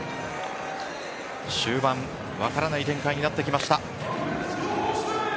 終盤、分からない展開になってきました。